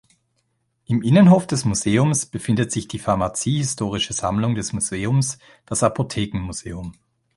Im Innenhof des Museums befindet sich die pharmazie-historische Sammlung des Museums, das Apothekenmuseum.